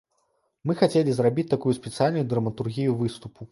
Мы хацелі зрабіць такую спецыяльную драматургію выступу.